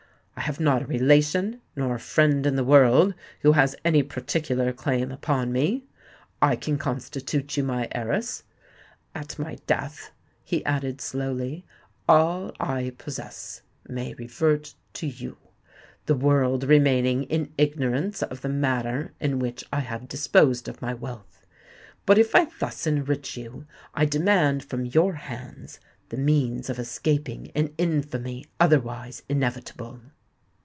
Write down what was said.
I have not a relation nor a friend in the world who has any particular claim upon me. I can constitute you my heiress: at my death," he added slowly, "all I possess may revert to you,—the world remaining in ignorance of the manner in which I have disposed of my wealth. But if I thus enrich you, I demand from your hands the means of escaping an infamy otherwise inevitable."